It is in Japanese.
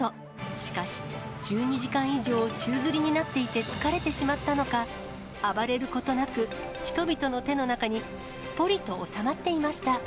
しかし、１２時間以上、宙づりになっていて疲れてしまったのか、暴れることなく人々の手の中にすっぽりと収まっていました。